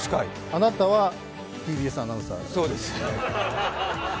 あなたはＴＢＳアナウンサー。